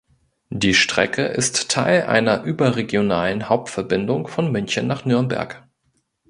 Die Strecke ist Teil einer überregionalen Hauptverbindung von München nach Nürnberg.